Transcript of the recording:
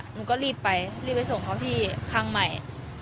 หนูก็รีบไปรีบไปส่งเขาที่ครั้งใหม่